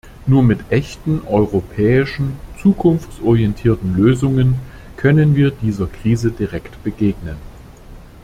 Nur mit echten europäischen, zukunftsorientierten Lösungen können wir dieser Krise direkt begegnen.